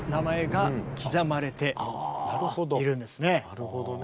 なるほどね。